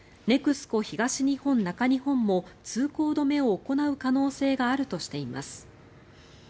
ネクスコ東日本・中日本も通行止めを行う可能性があるとしています。